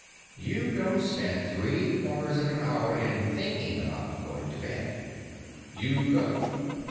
You don't spend three quarters of an hour in "thinking about" going to bed. You go.